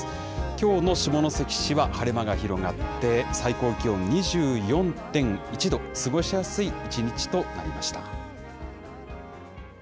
きょうの下関市は晴れ間が広がって、最高気温２４．１度、過ごしやすい一日となりました。